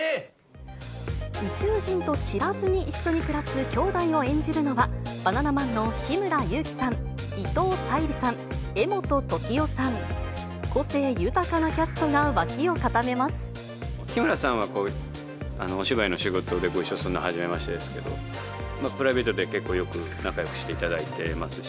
宇宙人と知らずに一緒に暮らす兄弟を演じるのは、バナナマンの日村勇紀さん、伊藤沙莉さん、柄本時生さん、個性豊かなキャストが脇を固めま日村さんは、お芝居の仕事でご一緒するのはじめましてですけど、プライベートで結構よく、仲よくしていただいてますし。